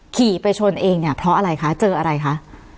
ขี่ไปชนเองเนี่ยเพราะอะไรคะเจออะไรคะ